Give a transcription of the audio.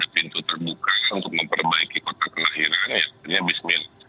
pintu terbuka untuk memperbaiki kota kelahirannya ya bismillah